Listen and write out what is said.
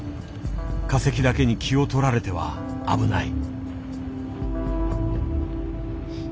化石だけに気を取られては危ない。